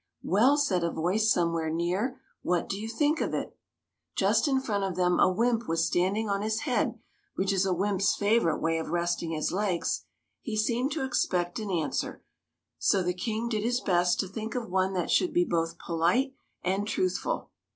"Well," said a voice somewhere near, "what do you think of it ?" Just in front of them a wymp was standing on his head, which is a wymp's favourite way of resting his legs. He seemed to expect an answer, so the King did his best to think of one that should be both polite and truthful.